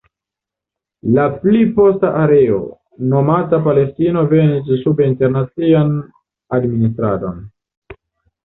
La pli posta areo, nomata Palestino venis sub internacian administradon.